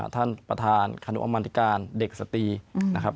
ท่านประธานคณะมันติการเด็กสตรีนะครับ